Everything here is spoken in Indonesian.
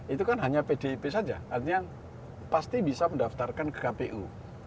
itu kan hanya pdip saja artinya pasti bisa mendaftarkan ke kpu